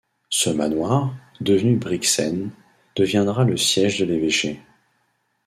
Ce manoir, devenu Brixen, deviendra le siège de l'évêché.